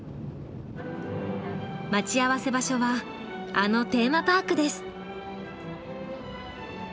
待ち合わせ場所はあのテーマパークです。